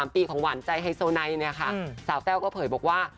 ๓๓ปีของหวานใจไฮโซไนสาวแก้วก็เผยบอกว่า